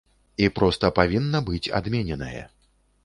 І проста павінна быць адмененае.